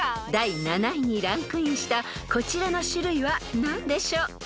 ［第７位にランクインしたこちらの種類は何でしょう？］